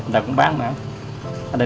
đầu cũng bán mà